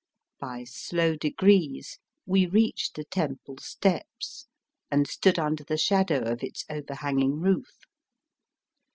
By slow degrees we reached the temple steps, and stood under the shadow of its over hanging roof.